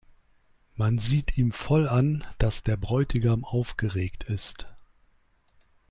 Man sieht ihm voll an, dass der Bräutigam aufgeregt ist.